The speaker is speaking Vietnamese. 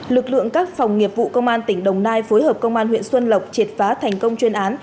lực lượng các phòng nghiệp vụ công an tỉnh đồng nai phối hợp công an huyện xuân lộc triệt phá thành công chuyên án